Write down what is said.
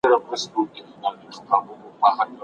سوداګر به یو له چین تر سمرقنده